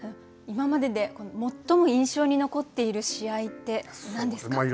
今までで最も印象に残っている試合って何ですか？